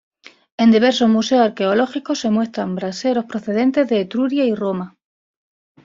En diversos museos arqueológicos, se muestran braseros procedentes de Etruria y Roma.